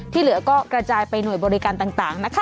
เหลือก็กระจายไปหน่วยบริการต่างนะคะ